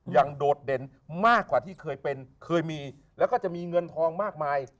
โดดเด่นมากกว่าที่เคยเป็นเคยมีแล้วก็จะมีเงินทองมากมาย